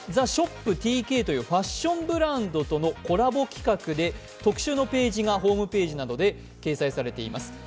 実はＴＨＥＳＨＯＰＴＫというファッションブランドとのコラボ企画で特集のページがホームページなどで掲載されています。